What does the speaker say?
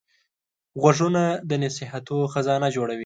غوږونه د نصیحتو خزانه جوړوي